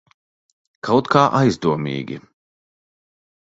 Kaut kā aizdomīgi.